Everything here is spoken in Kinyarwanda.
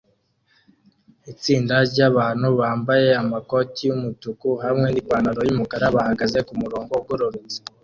Itsinda ryabantu bambaye amakoti yumutuku hamwe nipantaro yumukara bahagaze kumurongo ugororotse